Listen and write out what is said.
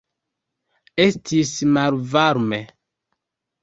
Estis malvarme.